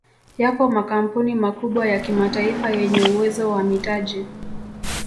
Yapo makampuni makubwa ya kimataifa yenye uwezo wa mitaji